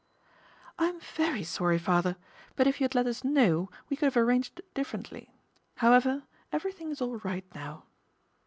" I'm very sorry, father ; but if you had let us know we could have arranged differently. However, everything is all right no,v."